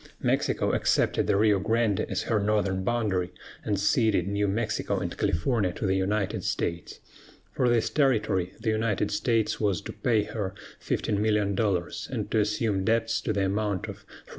Mexico accepted the Rio Grande as her northern boundary, and ceded New Mexico and California to the United States. For this territory the United States was to pay her $15,000,000, and to assume debts to the amount of $3,500,000.